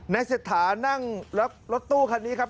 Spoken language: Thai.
เศรษฐานั่งแล้วรถตู้คันนี้ครับ